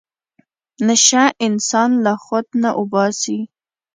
نشه انسان له خود نه اوباسي.